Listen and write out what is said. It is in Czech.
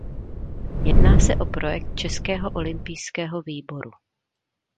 Jedná se o projekt Českého olympijského výboru.